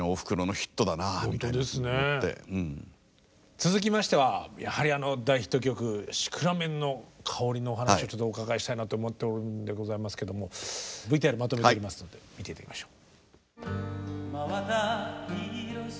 続きましてはやはりあの大ヒット曲「シクラメンのかほり」のお話をちょっとお伺いしたいなと思っておるんでございますけどもＶＴＲまとめてありますので見て頂きましょう。